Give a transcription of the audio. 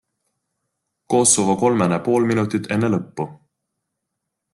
Kosovo kolmene pool minutit enne lõppu.